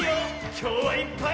きょうはいっぱい。